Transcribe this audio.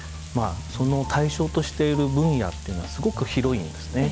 その対象としている分野っていうのはすごく広いんですね。